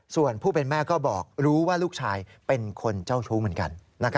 ส่วนผู้เป็นแม่ก็บอกรู้ว่าลูกชายเป็นคนเจ้าชู้เหมือนกัน